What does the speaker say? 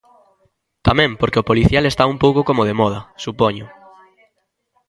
Tamén porque o policial está un pouco como de moda, supoño.